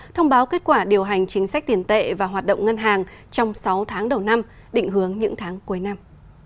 thông báo kết quả điều hành chính sách tiền tệ và hoạt động ngân hàng trong sáu tháng đầu năm định hướng những tháng cuối năm